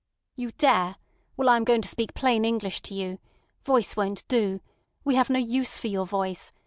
"You dare! Well, I am going to speak plain English to you. Voice won't do. We have no use for your voice.